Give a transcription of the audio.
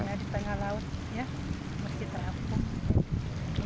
di tengah laut ya masjid terapung